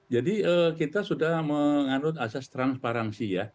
jadi kita sudah menganggut asas transparansi ya